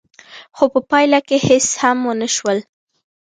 خو په پايله کې هېڅ هم ونه شول.